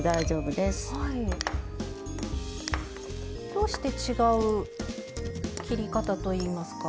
どうして違う切り方といいますか。